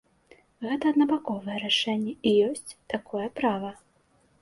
Гэта аднабаковае рашэнне, і ёсць такое права.